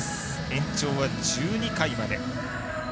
延長は１２回まで。